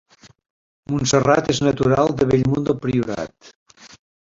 Montserrat és natural de Bellmunt del Priorat